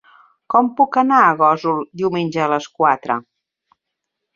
Com puc anar a Gósol diumenge a les quatre?